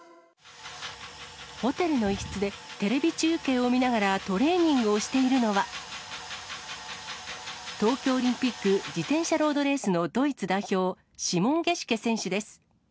ホテルの一室で、テレビ中継を見ながらトレーニングをしているのは、東京オリンピック自転車ロードレースのドイツ代表、シモン・ゲシュケ選手です。